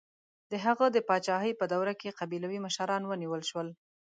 د هغه د پاچاهۍ په دوره کې قبیلوي مشران ونیول شول.